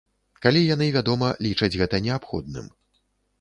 Калі яны, вядома, лічаць гэта неабходным.